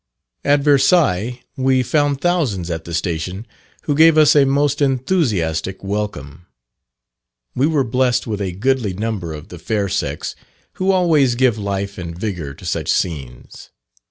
At Versailles, we found thousands at the station, who gave us a most enthusiastic welcome. We were blessed with a goodly number of the fair sex, who always give life and vigour to such scenes.